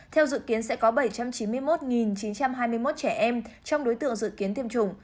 theo dự kiến sẽ có bảy trăm chín mươi một chín trăm hai mươi một trẻ em trong đối tượng dự kiến tiêm chủng